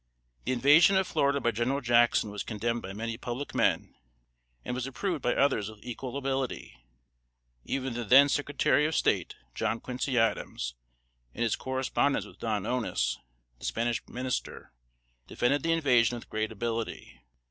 The invasion of Florida by General Jackson was condemned by many public men, and was approved by others with equal ability. Even the then Secretary of State, John Quincy Adams, in his correspondence with Don Onis, the Spanish Minister, defended the invasion with great ability.